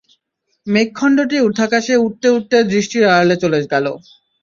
মেঘখণ্ডটি উর্ধ্বাকাশে উঠতে উঠতে দৃষ্টির আড়ালে চলে গেল।